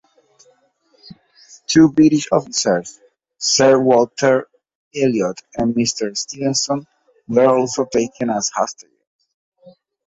Two British officers, Sir Walter Elliot and Mr. Stevenson were also taken as hostages.